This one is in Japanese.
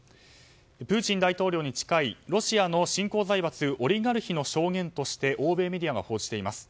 プーチン大統領に近いロシアの新興財閥オリガルヒの証言として欧米メディアが報じています。